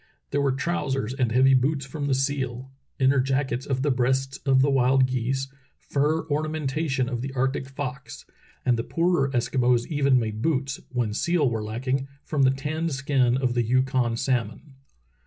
There were trousers and heavy boots from the seal, inner jackets of the breasts of the wild geese, fur ornamentation of the arctic fox, and the 278 True Tales of Arctic Heroism poorer Eskimos even made boots, when seal were lack ing, from the tanned skin of the Yukon salmon.